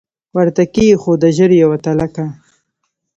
ورته کښې یې ښوده ژر یوه تلکه